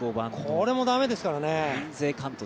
これもだめですからね。